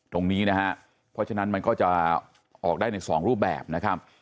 ตรงนี้นะฮะเพราะฉะนั้นมันก็จะออกได้ในสองรูปแบบนะครับ